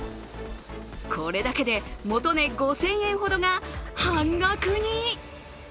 これだけで元値５０００円ほどが半額に。